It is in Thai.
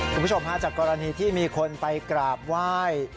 คุณผู้ชมฮาจากกรณีที่มีคนไปกราบไหว้